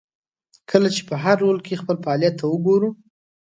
کله چې په هر رول کې خپل فعالیت ته وګورو.